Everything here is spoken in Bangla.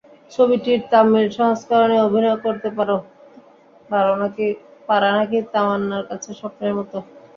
ছবিটির তামিল সংস্করণে অভিনয় করতে পারা নাকি তামান্নার কাছে স্বপ্নের মতো।